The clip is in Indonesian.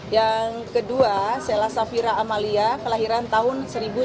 yang kedua sella safira amalia kelahiran tahun seribu sembilan ratus sembilan puluh